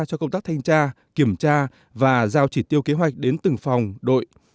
cho công tác thanh tra kiểm tra và giao chỉ tiêu kế hoạch đến từng phòng đội